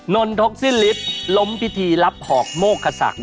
นลธกศิลปิศล้มพิธีรับหอกโมฆษัก